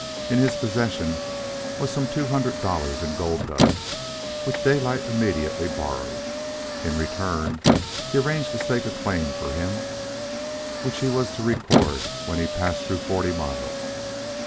In his possession was some two hundred dollars in gold dust, which Daylight immediately borrowed. In return, he arranged to stake a claim for him, which he was to record when he passed through Forty Mile.